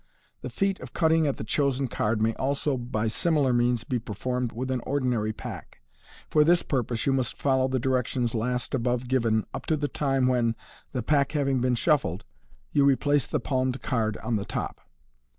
The feat of cutting at the chosen card may also by similar means be performed with an ordinary pack* For this purpose you must follow the direc MODERN MAGIC dons last above given rip to the time when, the pack having been shuffled, you replace the palmed card on the top.